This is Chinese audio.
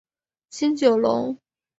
新九龙。